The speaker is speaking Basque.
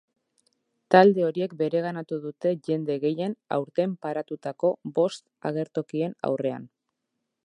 Talde horiek bereganatu dute jende gehien aurten paratutako bost agertokien aurrean.